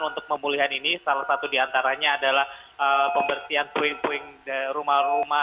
untuk pemulihan ini salah satu diantaranya adalah pembersihan puing puing rumah rumah